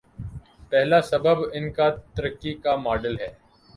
پہلا سبب ان کا ترقی کاماڈل ہے۔